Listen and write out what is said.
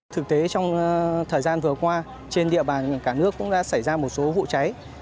thực tế trong thời gian vừa qua trên địa bàn cả nước cũng đã xảy ra một số vụ cháy